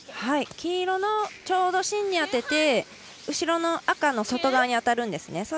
黄色のちょうど芯に当てて後ろの赤の外側に当たるんですね。